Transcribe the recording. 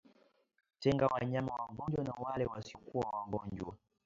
Tenga wanyama wagonjwa na wale wasiokuwa wagonjwa